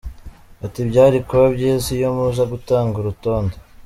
Ati “Byari kuba byiza iyo muza gutanga urutonde.